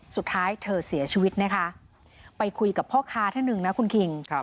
สุดท้ายเธอเสียชีวิตนะคะไปคุยกับพ่อค้าท่านหนึ่งนะคุณคิง